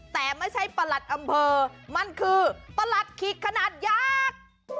แต่ไม่ใช่ประหลัดอำเภอมันคือประหลัดขิกขนาดยาก